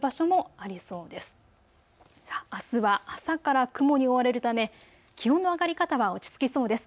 あすは朝から雲に覆われるため気温の上がり方は落ち着きそうです。